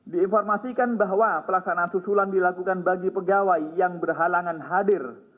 diinformasikan bahwa pelaksanaan susulan dilakukan bagi pegawai yang berhalangan hadir